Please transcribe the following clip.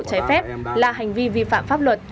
cháy phép là hành vi vi phạm pháp luật